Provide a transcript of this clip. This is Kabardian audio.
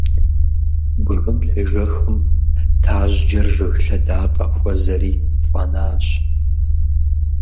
Бгым щежэхым, тажьджэр жыг лъэдакъэ хуэзэри фӀэнащ.